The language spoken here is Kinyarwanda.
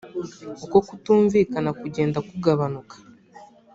uko kutumvikana kugende kugabanuka